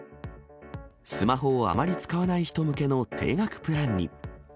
スマホをあまり使わない人向けの低額プランに。